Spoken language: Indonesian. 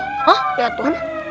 hah lihat tuh